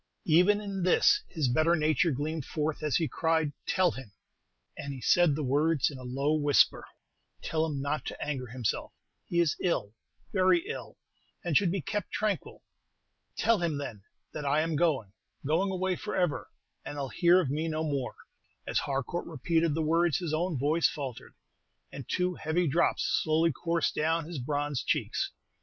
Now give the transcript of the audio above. Even in this his better nature gleamed forth as he cried, 'Tell him' and he said the words in a low whisper 'tell him not to anger himself; he is ill, very ill, and should be kept tranquil. Tell him, then, that I am going going away forever, and he'll hear of me no more.'" As Harcourt repeated the words, his own voice faltered, and two heavy drops slowly coursed down his bronzed cheeks.